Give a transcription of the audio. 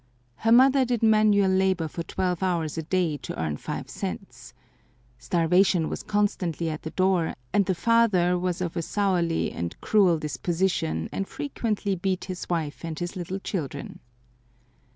Her mother did manual labor for twelve hours a day to earn five cents. Starvation was constantly at the door, and the father was of a surly and cruel disposition, and frequently beat his wife and his little children.